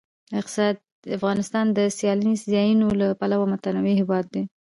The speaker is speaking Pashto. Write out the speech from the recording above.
افغانستان د سیلاني ځایونو له پلوه متنوع هېواد دی.